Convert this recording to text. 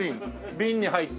瓶に入った。